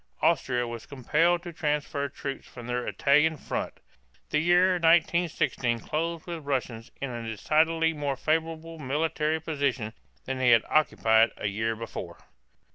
Austria was compelled to transfer troops from her Italian front. The year 1916 closed with the Russians in a decidedly more favorable military position than they had occupied a year before.